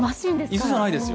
椅子じゃないですよ。